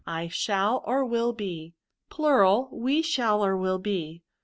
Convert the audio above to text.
I shall, or will, be. We shall, or will, be.